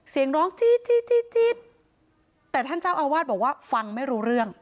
เสียงร้องจี๊ดจี๊ดจี๊ดแต่ท่านเจ้าอาวาสบอกว่าฟังไม่รู้เรื่อง